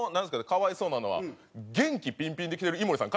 可哀想なのは元気ピンピンで来てる井森さん